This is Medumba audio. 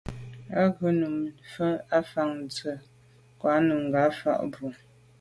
Á wʉ́ Nùmí fə̀ ə́ fáŋ ntɔ́ nkáà Nùgà fáà bɔ̀.